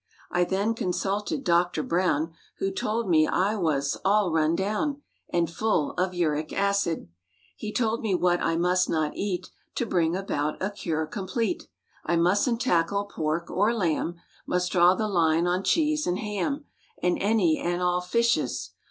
I then consulted Doctor Browm, Who told me I was "all run down" And "full of uric acid." He told me what I must not eat To bring about a cure complete. I mustn't tackle pork or lamb; Must draw the line on cheese and ham And any and all fishes.